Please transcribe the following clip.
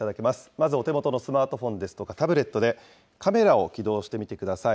まずお手元のスマートフォンですとか、タブレットでカメラを起動してみてください。